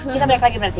kita balik lagi berarti